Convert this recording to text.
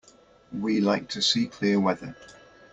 We like to see clear weather.